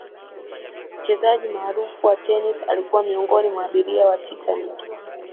mchezaji maarufu wa tenisi alikuwa miongoni mwa abiria wa titanic